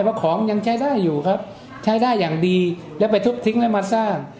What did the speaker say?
เพราะของยังใช้ได้อยู่ครับใช้ได้อย่างดีแล้วไปทุบทิ้งแล้วมาสร้าง